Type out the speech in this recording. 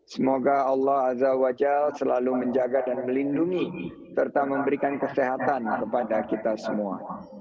semoga allah azza wa jal selalu menjaga dan melindungi serta memberikan kesehatan kepada kita semua